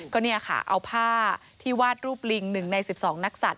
ก็เนี่ยค่ะเอาผ้าที่วาดรูปลิง๑ใน๑๒นักสัตว